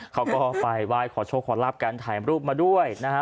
เขาก็ไปไหว้ขอโชคขอรับการถ่ายรูปมาด้วยนะฮะ